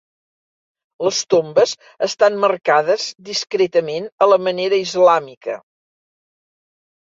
Les tombes estan marcades discretament, a la manera islàmica.